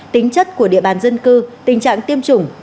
tính chất của địa bàn dân cư tình trạng tiêm chủng